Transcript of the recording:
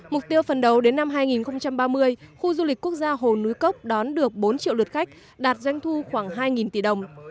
mục tiêu phần đầu đến năm hai nghìn ba mươi khu du lịch quốc gia hồ núi cốc đón được bốn triệu lượt khách đạt doanh thu khoảng hai tỷ đồng